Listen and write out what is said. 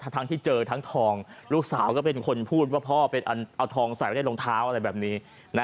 ทั้งที่เจอทั้งทองลูกสาวก็เป็นคนพูดว่าพ่อเป็นเอาทองใส่ไว้ในรองเท้าอะไรแบบนี้